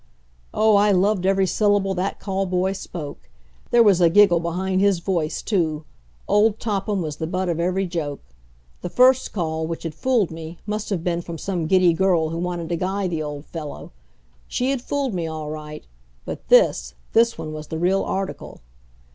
Oh, I loved every syllable that call boy spoke! There was a giggle behind his voice, too; old Topham was the butt of every joke. The first call, which had fooled me, must have been from some giddy girl who wanted to guy the old fellow. She had fooled me all right. But this this one was the real article.